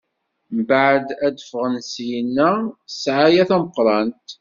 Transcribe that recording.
Mbeɛd ad d-ffɣen syenna s ssɛaya tameqrant.